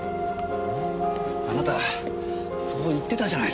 あなたそう言ってたじゃないですか。